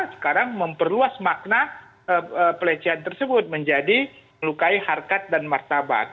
sekarang memperluas makna pelecehan tersebut menjadi melukai harkat dan martabat